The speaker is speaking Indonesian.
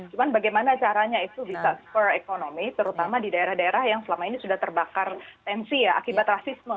cuma bagaimana caranya itu bisa spur ekonomi terutama di daerah daerah yang selama ini sudah terbakar tensi ya akibat rasisme